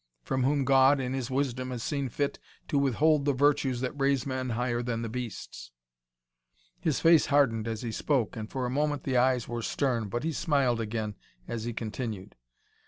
from whom God, in His wisdom, has seen fit to withhold the virtues that raise men higher than the beasts." His face hardened as he spoke and for a moment the eyes were stern, but he smiled again as he continued.